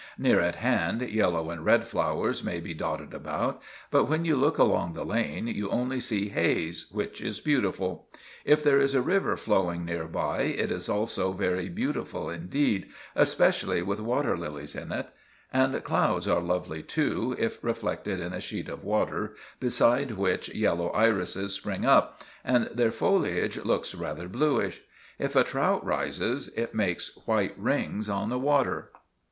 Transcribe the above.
Near at hand, yellow and red flowers may be dotted about; but when you look along the lane, you only see haze, which is beautiful. If there is a river flowing near by, it is also very beautiful indeed, especially with water lilies on it. And clouds are lovely too, if reflected in a sheet of water beside which yellow irises spring up, and their foliage looks rather bluish. If a trout rises, it makes white rings on the water.